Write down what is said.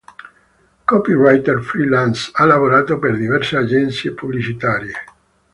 Copywriter free-lance, ha lavorato per diverse agenzie pubblicitarie.